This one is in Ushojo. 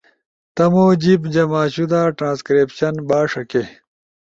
تمو جیِب جمع شدہ ٹرانسکریپشن با ݜکے